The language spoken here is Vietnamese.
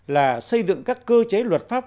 là xây dựng các cơ chế luật pháp